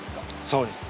そうです。